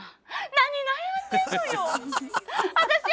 「何悩んでんのよ。